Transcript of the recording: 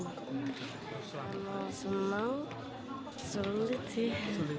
kalau senang sulit sih